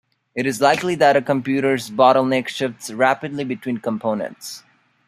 It is likely that a computer's bottleneck shifts rapidly between components.